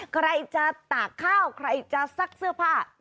ใครจะตากข้าวใครจะซักเสื้อผ้า